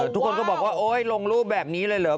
ทุกคนก็บอกว่าโอ๊ยลงรูปแบบนี้เลยเหรอ